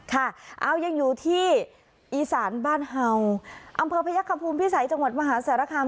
ค่ะเอายังอยู่ที่อีสานบ้านเห่าอำเภอพยักษภูมิพิสัยจังหวัดมหาสารคาม